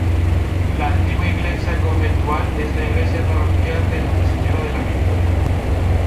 La antigua iglesia conventual es la iglesia parroquial de Nuestra Señora de la Victoria.